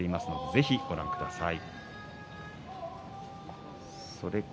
ぜひご覧ください。